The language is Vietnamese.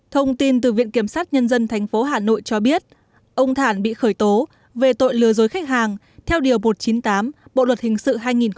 thông tin từ viện kiểm sát nhân dân tp hà nội cho biết ông thản bị khởi tố về tội lừa dối khách hàng theo điều một trăm chín mươi tám bộ luật hình sự hai nghìn một mươi năm